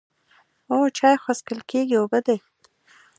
او چای خو څښل کېږي اوبه دي.